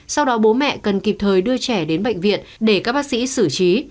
sau đó bố mẹ cần kịp thời đưa trẻ đến bệnh viện để các bác sĩ xử trí